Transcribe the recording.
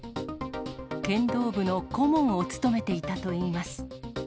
剣道部の顧問を務めていたといいます。